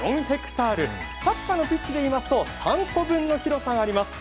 サッカーのピッチで言いますと３個分の広さがあります。